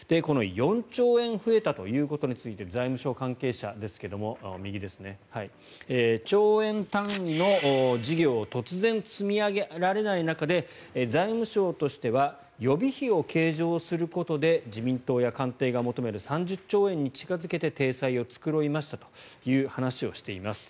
４兆円増えたということについて財務省関係者ですけども兆円単位の事業を突然積み上げられない中で財務省としては予備費を計上することで自民党や官邸が求める３０兆円に近付けて体裁を繕いましたという話をしています。